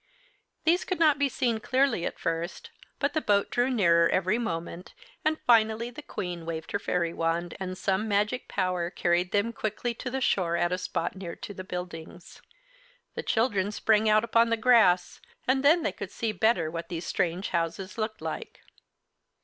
These could not be seen clearly at first, but the boat drew nearer every moment, and finally the Queen waved her fairy wand and some magic power carried them quickly to the shore at a spot near to the buildings. The children sprang out upon the grass, and then they could see better what these strange houses looked like.